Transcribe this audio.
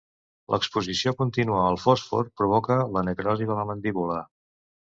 L'exposició contínua al fòsfor provoca la necrosi de la mandíbula.